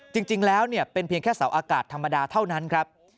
จริงแล้วเป็นเพียงแค่เสาอากาศธรรมดาเท่านั้นครับ